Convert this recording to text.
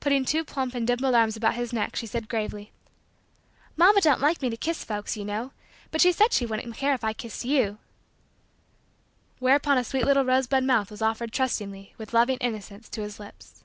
Putting two plump and dimpled arms about his neck she said gravely: "Mamma don't like me to kiss folks, you know, but she said she wouldn't care if I kissed you" Whereupon a sweet little rosebud mouth was offered trustingly, with loving innocence, to his lips.